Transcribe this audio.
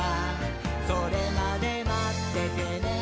「それまでまっててねー！」